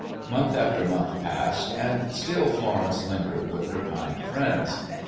Month after month passed, and still Florence lingered with her kind friends.